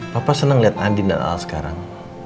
papa seneng liat andin dan al sekarang